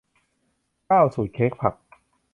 เก้า สูตรเค้กผัก